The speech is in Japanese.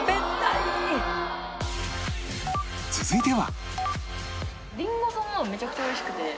続いては